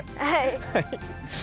はい。